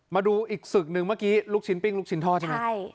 มาดูอีกศึกหนึ่งเมื่อกี้ลูกชิ้นปิ้งลูกชิ้นทอดใช่ไหม